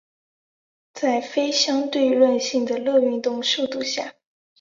在非相对论性的热运动速度下。